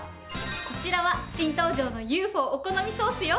こちらは新登場のＵ．Ｆ．Ｏ．お好みソースよ。